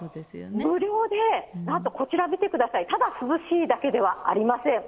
無料で、なんとこちら見てください、ただ涼しいだけではありません。